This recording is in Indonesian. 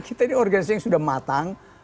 kita ini organisasi yang sudah matang